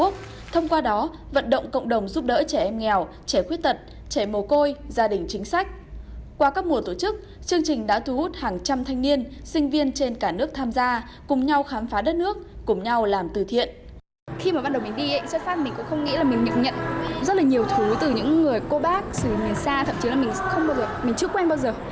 khi đi xuất phát mình cũng không nghĩ là mình nhận nhận rất là nhiều thứ từ những người cô bác từ miền xa thậm chí là mình chưa quen bao giờ